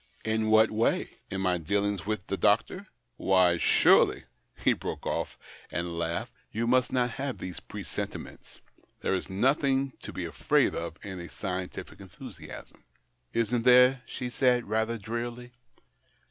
" In what way ? In my dealings with the doctor ? Why surely " He broke oH" and laughed. You must not have these pre sentiments ; there is nothing to be afraid of in a scientific enthusiasm." " Isn't there ?" she said, rather drearily.